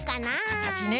かたちね。